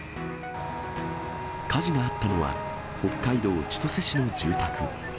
火事があったのは、北海道千歳市の住宅。